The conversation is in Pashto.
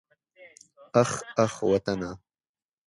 اخ اخ وطنه.